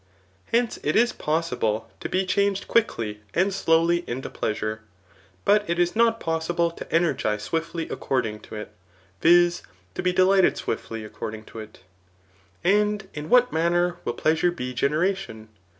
Hence, it is possible to be changed quickly and slowly into pleasure ; but it is not pojssibie to ener gize swiftly according to it j viz. to be delighted swiftly according to it. . And in what manner will pleasure be generation